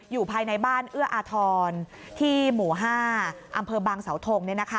อยู่ภายในบ้านเอื้ออาทรที่หมู่๕อำเภอบางสาวทง